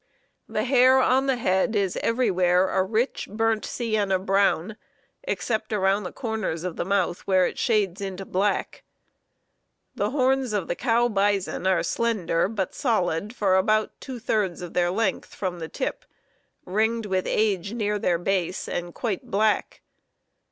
The hair on the head is everywhere a rich burnt sienna brown, except around the corners of the mouth, where it shades into black. The horns of the cow bison are slender, but solid for about two thirds of their length from the tip, ringed with age near their base, and quite black.